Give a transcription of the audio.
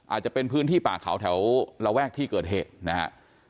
อาจจะเป็นพื้นที่ป่าเขาแถวระแวกที่เกิดเหตุนะฮะ